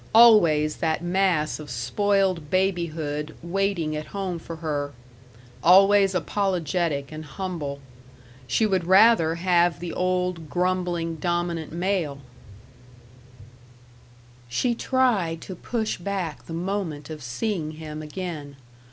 Always that mass of spoiled babyhood waiting at home for her.... Always apologetic and humble she would rather have the old, grumbling, dominant male.... She tried to push back the moment of seeing him again.